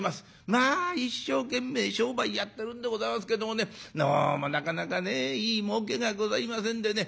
まあ一生懸命商売やってるんでございますけどもねどうもなかなかねいいもうけがございませんでね